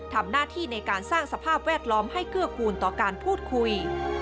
ทำหน้าที่ในการสร้างสภาพแวดล้อมให้เกื้อคูณต่อการพูดคุย